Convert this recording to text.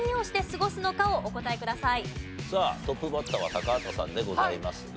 さあトップバッターは高畑さんでございますが。